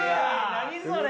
何それ！？